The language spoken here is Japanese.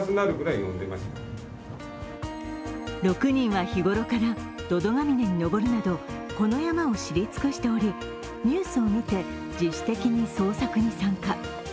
６人は日頃から百百峰に登るなどこの山を知り尽くしており、ニュースを見て、自主的に捜索に参加。